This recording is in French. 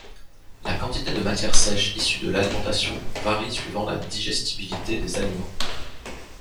La quantité de matière sèche issue de l'alimentation varie suivant la digestibilité des aliments.